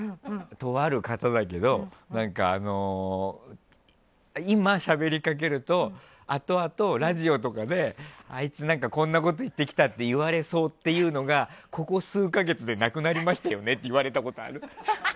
とある方だけど今しゃべりかけると後々、ラジオとかであいつこんなこと言ってきたって言われそうっていうのがここ数か月でなくなりましたよねって言われたことがある。